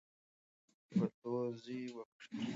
ګلدوزی وکړئ.